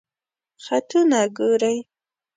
خطونه ګوری؟